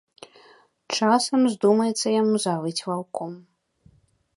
Часам здумаецца яму завыць ваўком.